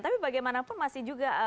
tapi bagaimanapun masih juga